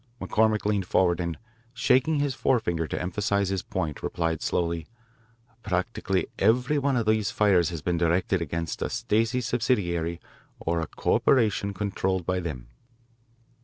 McCormick leaned forward and, shaking his forefinger to emphasise his point, replied slowly, "Practically every one of these fires has been directed against a Stacey subsidiary or a corporation controlled by them."